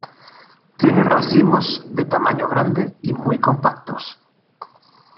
Tiene racimos de tamaño grande y muy compactos.